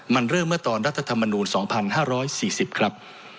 มันเริ่มเมื่อตอนรัฐธรรมนูล๒๕๔๐ครับ